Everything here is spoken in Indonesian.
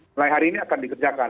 mulai hari ini akan dikerjakan